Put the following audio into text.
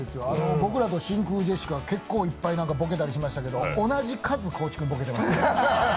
僕らと真空ジェシカ、結構いっぱいボケたりしていますけど、同じ数、高地君ボケてます。